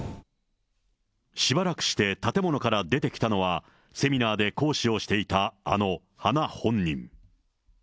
しばらくして建物から出てきたのは、セミナーで講師をしていた、あの花本人。